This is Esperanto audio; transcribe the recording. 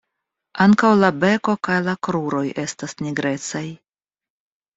Ankaŭ la beko kaj la kruroj estas nigrecaj.